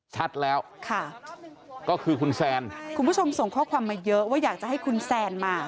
ชัดแล้วค่ะก็คือคุณแซนคุณผู้ชมส่งข้อความมาเยอะว่าอยากจะให้คุณแซนมา